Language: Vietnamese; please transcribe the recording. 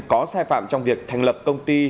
có sai phạm trong việc thành lập công ty